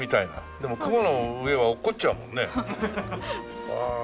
でも雲の上は落っこちちゃうもんね。